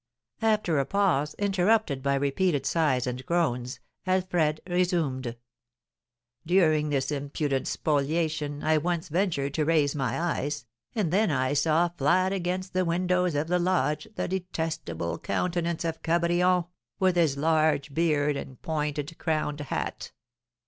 '" After a pause, interrupted by repeated sighs and groans, Alfred resumed: "During this impudent spoliation I once ventured to raise my eyes, and then I saw flat against the windows of the lodge the detestable countenance of Cabrion, with his large beard and pointed crowned hat.